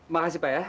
makasih pak ya